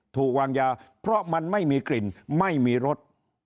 ถูกวางยาเพราะมันไม่มีกลิ่นไม่มีรส